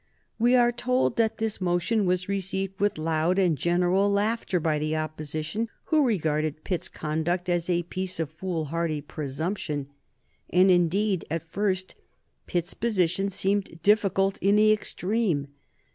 We are told that this motion was received with loud and general laughter by the Opposition, who regarded Pitt's conduct as a piece of foolhardy presumption. And indeed at first Pitt's position seemed difficult in the extreme.